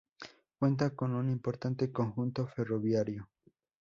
Cuenta con un importante conjunto ferroviario.